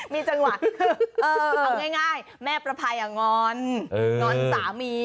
มีจังหวะเอาง่ายแม่ประภัยงอนงอนสามี